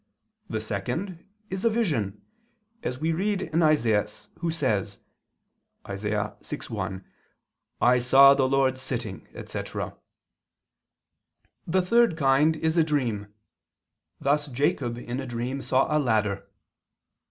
The second kind is a vision, as we read in Isaias, who says (Isa. 6:1): 'I saw the Lord sitting,' etc. The third kind is a dream: thus Jacob in a dream, saw a ladder.